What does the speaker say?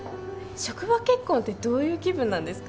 職場結婚ってどういう気分なんですか？